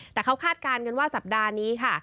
แต่เขาคาดการณ์กันว่าสัปดาห์นี้ค่ะ